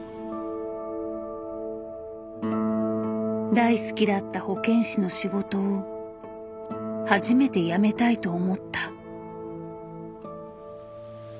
大好きだった保健師の仕事を初めて辞めたいと思った。